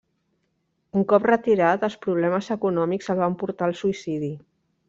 Un cop retirat, els problemes econòmics el van portar al suïcidi.